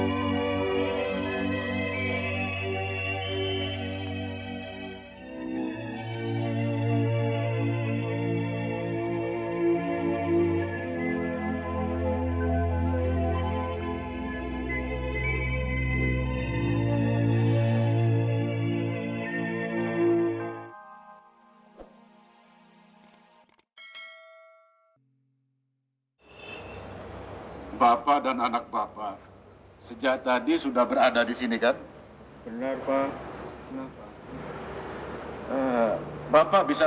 sampai jumpa di video selanjutnya